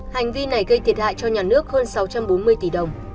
hành vi này gây thiệt hại cho nhà nước hơn sáu trăm bốn mươi tỷ đồng